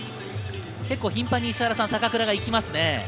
結構頻繁に坂倉が行きますね。